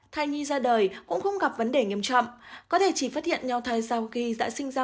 thai nhi ra đời cũng không gặp vấn đề nghiêm trọng có thể chỉ phát hiện nhò thai sau khi đã sinh ra